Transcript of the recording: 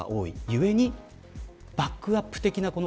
ゆえにバックアップ的なところ